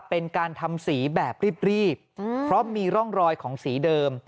เป็นการทำสีแบบรีบเพราะมีร่องรอยของสีเดิม